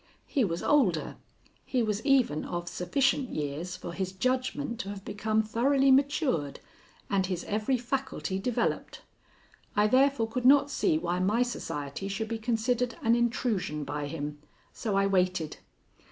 He was older; he was even of sufficient years for his judgment to have become thoroughly matured and his every faculty developed. I therefore could not see why my society should be considered an intrusion by him, so I waited.